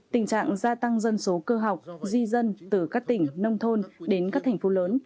tình trạng gia tăng dân số cơ học di dân từ các tỉnh nông thôn đến các thành phố lớn